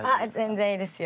全然いいですよ。